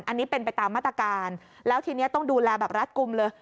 อันนี้เป็นไปตามมาตรการแล้วทีนี้ต้องดูแลแบบรัฐกลุ่มเลย